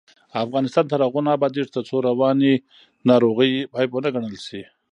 افغانستان تر هغو نه ابادیږي، ترڅو رواني ناروغۍ عیب ونه ګڼل شي.